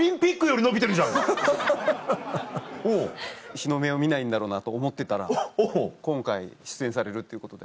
日の目を見ないんだろうなと思ってたら今回出演されるっていうことで。